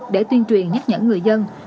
để tuyên truyền nhắc nhẫn người dân